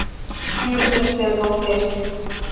Пӱрдыш шергылтеш.